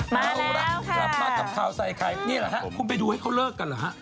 มาแล้วค่ะนี่แหละครับคุณไปดูให้เขาเลิกกันเหรอฮะ